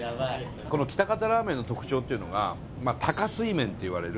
この喜多方ラーメンの特徴っていうのが多加水麺っていわれる。